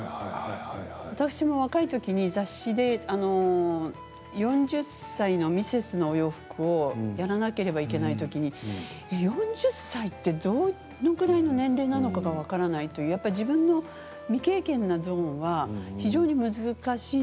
私も若いときに雑誌で４０歳のミセスのお洋服をやらなければいけないときに４０歳ってどのぐらいの年齢なのかが分からないとやっぱり自分の未経験なゾーンは非常に難しいですね。